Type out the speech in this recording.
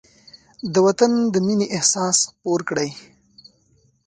د وطن د مینې احساس خپور کړئ.